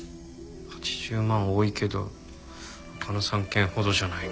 ８０万は多いけどこの３軒ほどじゃないか。